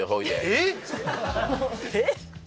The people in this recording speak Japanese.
えっ？